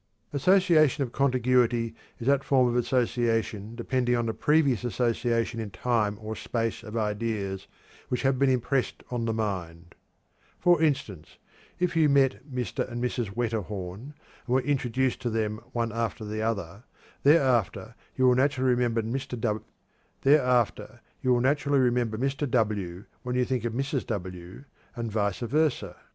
Association of contiguity is that form of association depending upon the previous association in time or space of ideas which have been impressed on the mind. For instance, if you met Mr. and Mrs. Wetterhorn and were introduced to them one after the other, thereafter you will naturally remember Mr. W. when you think of Mrs. W., and vice versa.